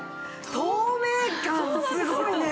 透明感すごいね。